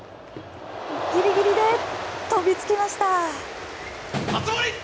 ギリギリで飛びつきました。